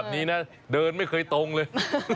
ดีนะเดินไม่เคยตรงเลย